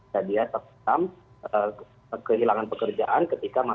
jadi ya tetap kehilangan pekerjaan ketika kita menang